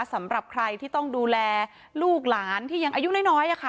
สำหรับใครที่ต้องดูแลลูกหลานที่ยังอายุน้อยค่ะ